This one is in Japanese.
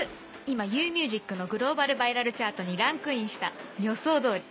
今Ｕミュージックのグローバルバイラルチャートにランクインした予想通り。